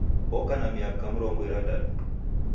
Oka na miaka mrongo irandadu